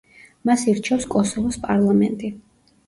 მას ირჩევს კოსოვოს პარლამენტი.